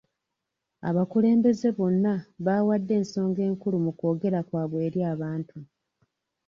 Abakulembeze bonna baawadde ensonga enkulu mu kwogera kwabwe eri abantu.